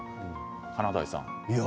華大さん。